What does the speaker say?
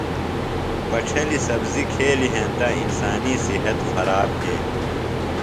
پڇھلیۡ سبزیۡ کھیلیۡ ہینتہ انسانیۡ صحت خراب بھینیۡ۔